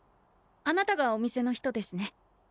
あなたがお店の人ですね。